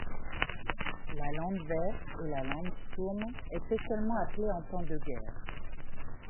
La landwehr et la landsturm étaient seulement appelés en temps de guerre.